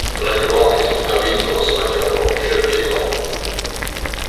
Tra gli uomini ha vinto lo spagnolo Javier Gómez.